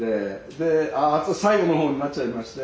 でああ最後の方になっちゃいまして。